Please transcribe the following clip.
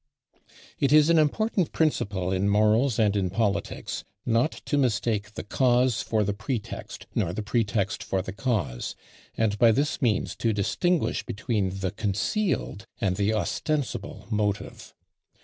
It is an important principle in morals and in politics, not to mistake the cause for the pretext, nor the pretext for the cause, and by this means to distinguish between the concealed and the ostensible motive.